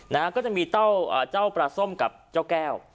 นะฮะก็จะมีเจ้าเจ้าปลาส้มกับเจ้าแก้ว